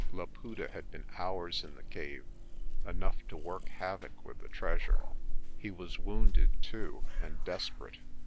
Laputa had been hours in the cave, enough to work havoc with the treasure. He was wounded, too, and desperate.